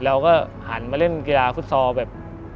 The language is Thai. แล้วก็หั่นมาเล่นกีลาฟุตซอล